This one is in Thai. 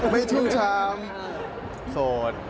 ไม่ชื่อชามเหรอคะ